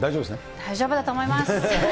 大丈夫だと思います。